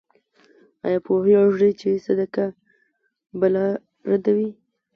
ایا پوهیږئ چې صدقه بلا ردوي؟